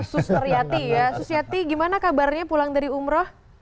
susiati ya susiati gimana kabarnya pulang dari umroh